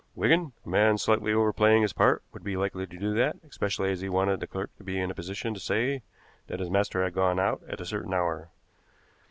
Wigan, a man slightly overplaying his part would be likely to do that, especially as he wanted the clerk to be in a position to say that his master had gone out at a certain hour.